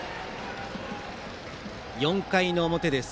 ４回の表です。